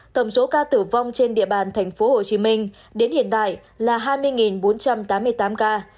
tổng số ca tử vong trên địa bàn tp hcm đến hiện tại là hai mươi bốn trăm tám mươi tám ca